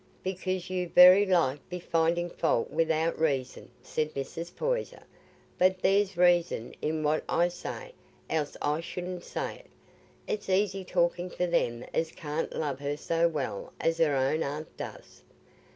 "Because you'd very like be finding fault wi'out reason," said Mrs. Poyser. "But there's reason i' what I say, else I shouldna say it. It's easy talking for them as can't love her so well as her own aunt does.